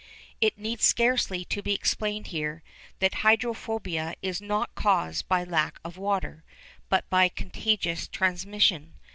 It need scarcely be explained here that hydrophobia is not caused by lack of water, but by contagious transmission.